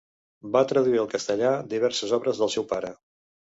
Va traduir al castellà diverses obres del seu pare.